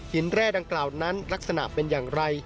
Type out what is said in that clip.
แร่ดังกล่าวนั้นลักษณะเป็นอย่างไร